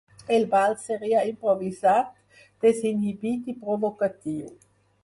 El ball seria improvisat, desinhibit i provocatiu.